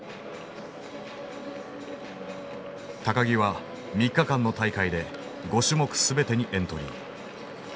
木は３日間の大会で５種目全てにエントリー。